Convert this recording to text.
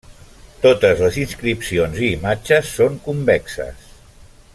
Totes les inscripcions i imatges són convexes.